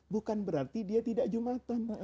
bukan berarti dia tidak jumatan